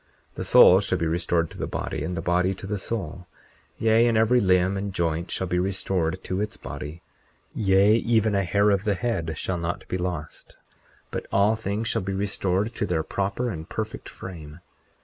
40:23 The soul shall be restored to the body, and the body to the soul; yea, and every limb and joint shall be restored to its body; yea, even a hair of the head shall not be lost; but all things shall be restored to their proper and perfect frame.